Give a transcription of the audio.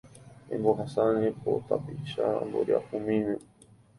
Embohasa nde po tapicha mboriahumíme